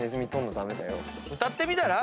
歌ってみたら？